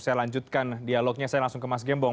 saya lanjutkan dialognya saya langsung ke mas gembong